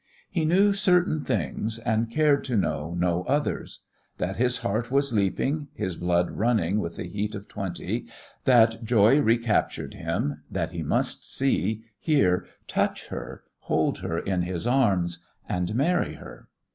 He knew certain things, and cared to know no others: that his heart was leaping, his blood running with the heat of twenty, that joy recaptured him, that he must see, hear, touch her, hold her in his arms and marry her.